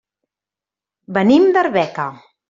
Venim d'Arbeca.